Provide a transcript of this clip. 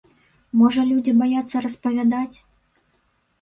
Можа людзі баяцца распавядаць?